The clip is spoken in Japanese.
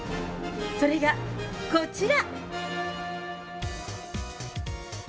それがこちら。